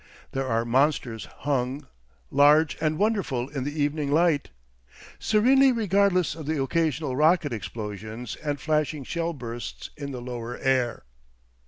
There the monsters hung, large and wonderful in the evening light, serenely regardless of the occasional rocket explosions and flashing shell bursts in the lower air.